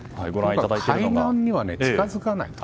海岸には近づかないこと。